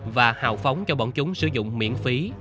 và hào phóng cho bọn chúng sử dụng miễn phí